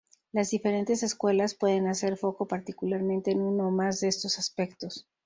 Las diferentes escuelas pueden hacer foco particularmente en uno o más de estos aspectos.